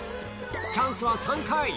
チャンスは３回。